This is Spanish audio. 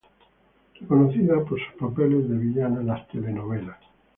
Reconocida por sus papeles de villana en las telenovelas.